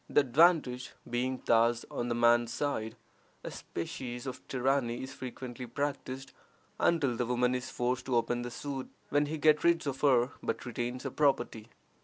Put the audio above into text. The advantage being thus on the man's side, a species of tyranny is frequently practiced until the woman is forced to open the suit, when he gets rid of her, but retains her property.